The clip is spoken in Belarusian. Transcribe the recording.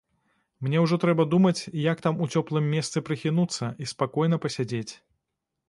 Мне ўжо трэба думаць, як там у цёплым месцы прыхінуцца і спакойна пасядзець.